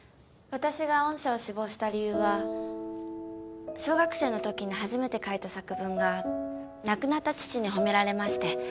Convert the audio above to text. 私が御社を志望した理由は小学生のときに初めて書いた作文が亡くなった父に褒められまして。